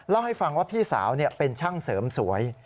เล่าให้ฟังว่าพี่สาวเป็นช่างเสริมสวย